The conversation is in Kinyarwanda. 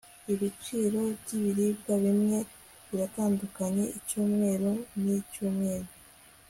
ibiciro byibiribwa bimwe biratandukanye icyumweru nicyumweru